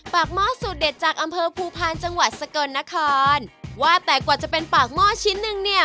หม้อสูตรเด็ดจากอำเภอภูพาลจังหวัดสกลนครว่าแต่กว่าจะเป็นปากหม้อชิ้นนึงเนี่ย